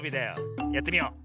やってみよう。